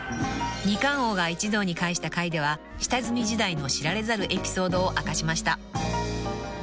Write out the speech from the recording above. ［二冠王が一堂に会した回では下積み時代の知られざるエピソードを明かしました］